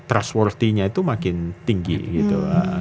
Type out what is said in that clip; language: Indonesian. trustworthy nya itu makin tinggi gitu